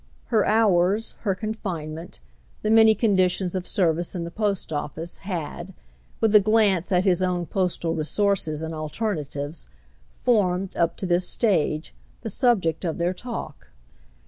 Her hours, her confinement, the many conditions of service in the post office, had—with a glance at his own postal resources and alternatives—formed, up to this stage, the subject of their talk.